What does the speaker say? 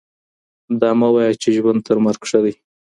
دا مه وايه چي ژوند تر مرګ ښه دی